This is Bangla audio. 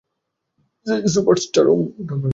সে সুপারস্টার ওম।